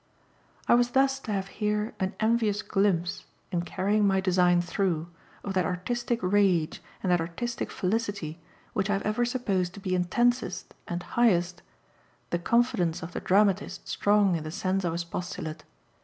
I was thus to have here an envious glimpse, in carrying my design through, of that artistic rage and that artistic felicity which I have ever supposed to be intensest and highest, the confidence of the dramatist strong in the sense of his postulate.